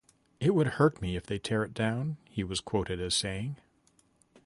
"It would hurt me if they tear it down", he was quoted as saying.